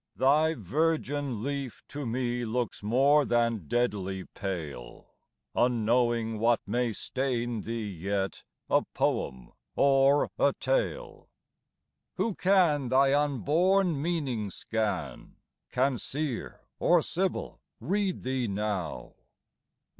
thy virgin leaf To me looks more than deadly pale, Unknowing what may stain thee yet, A poem or a tale. Who can thy unborn meaning scan? Can Seer or Sibyl read thee now?